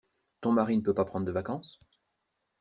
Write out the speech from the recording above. Ton mari ne peut pas prendre de vacances?